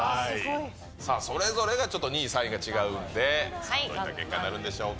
それぞれがちょっと、２位、３位が違うんで、どういう結果になるんでしょうか。